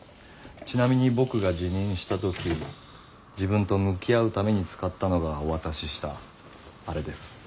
ちなみに僕が自認した時自分と向き合うために使ったのがお渡ししたあれです。